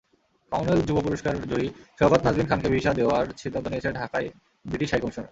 Commonwealth যুব পুরস্কারজয়ী সওগাত নাজবিন খানকে ভিসা দেওয়ার সিদ্ধান্ত নিয়েছে ঢাকায় ব্রিটিশ হাইকমিশন।